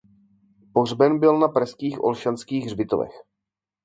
Pohřben byl na pražských Olšanských hřbitovech.